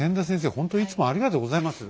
ほんといつもありがとうございます。